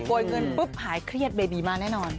ยเงินปุ๊บหายเครียดเบบีมาแน่นอน